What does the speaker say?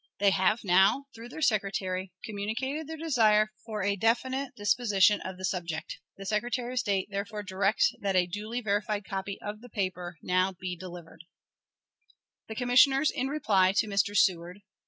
They have now, through their secretary, communicated their desire for a definite disposition of the subject. The Secretary of State therefore directs that a duly verified copy of the paper be now delivered. _The Commissioners in reply to Mr. Seward.